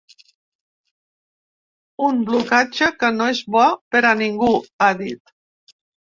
Un blocatge que no és bo per a ningú, ha dit.